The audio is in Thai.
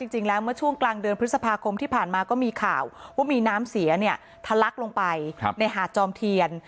จริงแล้วเมื่อช่วงกลางเดือนพฤษภาคมที่ผ่านมาก็มีข่าวว่ามีน้ำเสียเนี่ยทะลักลงไปในหาดจอมเทียน